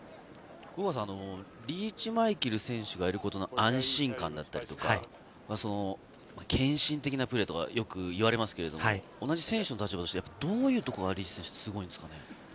リーチ・マイケル選手がいることの安心感だったりとか、献身的なプレーとか、よく言われますけれど同じ選手の立場としてどういうところがリーチ選手はすごいんですか？